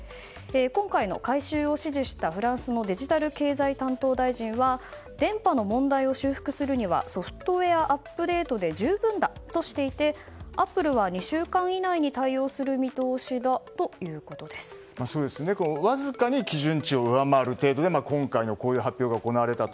今回の改修を指示したフランスのデジタル経済担当大臣は電波の問題を修復するにはソフトウェアアップデートで十分だとしていてアップルは２週間以内にわずかに基準値を上回る程度で今回の発表が行われたと。